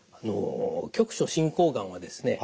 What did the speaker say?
局所進行がんはですね